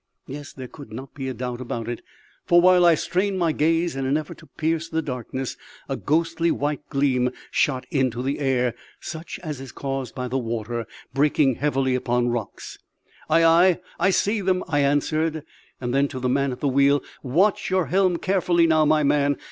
Yes; there could not be a doubt about it, for while I strained my gaze in an effort to pierce the darkness a ghostly white gleam shot into the air, such as is caused by the water breaking heavily upon rocks. "Ay, ay; I see them," I answered; then, to the man at the wheel "Watch your helm carefully, now, my man.